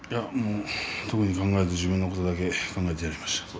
特に考えず自分のことだけ考えてやりました。